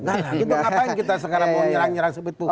nah itu ngapain kita sekarang mau nyerang nyerang sebetulnya